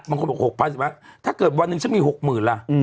มันคงบอก๖๐๐๐ฟันถ้าเกิดวันนึงจะมี๖หมื่นล่ะอืม